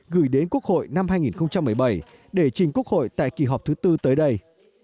gửi đến quốc hội năm hai nghìn một mươi bảy để trình quốc hội tại kỳ họp thứ tư tới đây